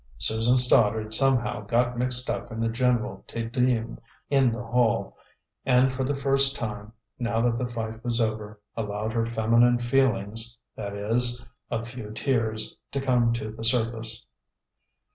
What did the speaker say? Susan Stoddard somehow got mixed up in the general Te Deum in the hall, and for the first time, now that the fight was over, allowed her feminine feelings that is, a few tears to come to the surface.